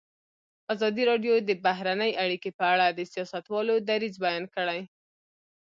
ازادي راډیو د بهرنۍ اړیکې په اړه د سیاستوالو دریځ بیان کړی.